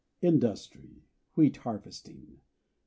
INDUSTRY WHEAT HARVESTING.